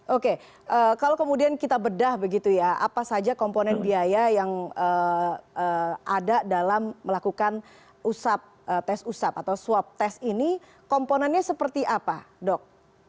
oke kalau kemudian kita bedah begitu ya apa saja komponen biaya yang ada dalam melakukan tes usap atau swab test ini komponennya seperti apa dok